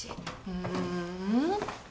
ふん。